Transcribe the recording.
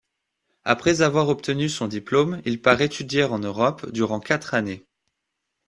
Après avoir obtenu son diplôme, il part étudier en Europe durant quatre années.